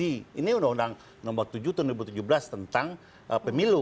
ini undang undang nomor tujuh tahun dua ribu tujuh belas tentang pemilu